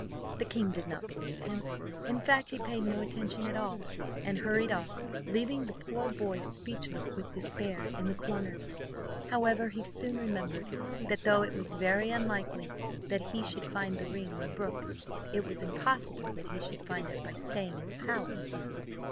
The king did not believe him; in fact he paid no attention at all, and hurried off, leaving the poor boy speechless with despair in the corner. However, he soon remembered that though it was very unlikely that he should find the ring in the brook, it was impossible that he should find it by staying in the palace.